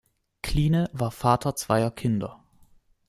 Kline war Vater zweier Kinder.